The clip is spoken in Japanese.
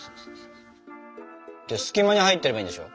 隙間に入ってればいいんでしょ。